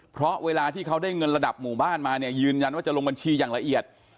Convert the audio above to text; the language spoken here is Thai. เพราะเวลาที่เขาได้เงินระดับหมู่บ้านมาเนี่ยยืนยันว่าจะลงบัญชีอย่างละเอียด